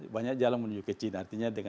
banyak jalan menuju ke china